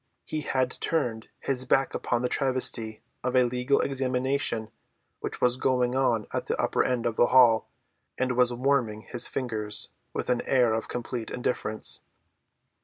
He had turned his back upon the travesty of a legal examination which was going on at the upper end of the hall and was warming his fingers with an air of complete indifference.